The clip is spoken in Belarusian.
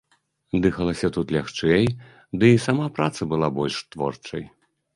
Дыхалася тут лягчэй, ды і сама праца была больш творчай.